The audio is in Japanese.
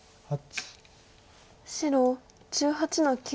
白１８の九。